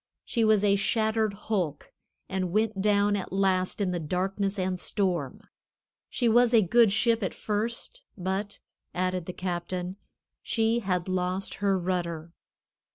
She was a shattered hulk and went down at last in the darkness and storm. She was a good ship at first, but," added the captain, "she had lost her rudder."